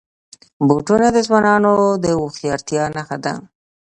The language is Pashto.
بوټونه د ځوانانو د هوښیارتیا نښه ده.